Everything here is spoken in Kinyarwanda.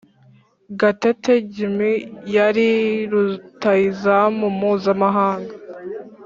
Gatete gimmy yari rutahizamu muzamahanga